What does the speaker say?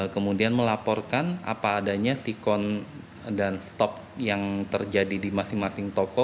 kemudian melaporkan apa adanya sikon dan stok yang terjadi di masing masing toko